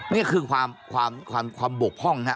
นี่คือความบกพ่องฮะ